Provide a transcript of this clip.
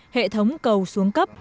hệ thống cầu xuống cấp